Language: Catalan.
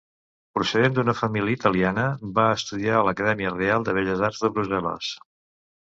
Procedent d'una família italiana va estudiar a l'Acadèmia Reial de Belles Arts de Brussel·les.